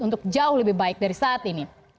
untuk jauh lebih baik dari saat ini